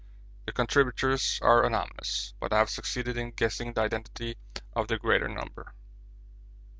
The contributors are anonymous, but I have succeeded in guessing the identity of the greater number.